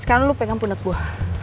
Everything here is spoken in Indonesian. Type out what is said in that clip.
sekarang lo pegang pundak gue